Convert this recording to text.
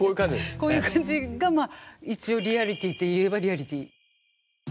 こういう感じがまあ一応リアリティといえばリアリティ。